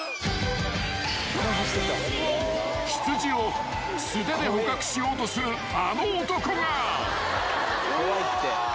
［羊を素手で捕獲しようとするあの男が］うわ！ハハハ。